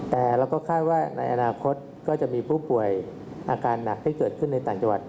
แต่เราก็คาดว่าในอนาคตก็จะมีผู้ป่วยอาการหนักที่เกิดขึ้นในต่างจังหวัด